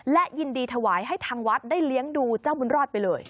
และยินดีถวายให้ทางวัดได้เลี้ยงดูเจ้าบุญรอดไปเลย